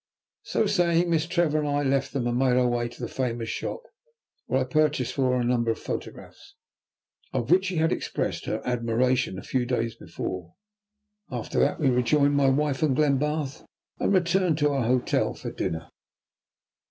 So saying Miss Trevor and I left them and made our way to the famous shop, where I purchased for her a number of photographs, of which she had expressed her admiration a few days before. After that we rejoined my wife and Glenbarth and returned to our hotel for dinner.